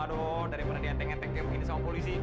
aduh daripada dia ngetek ngeteknya begini sama polisi